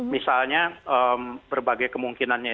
misalnya berbagai kemungkinannya ya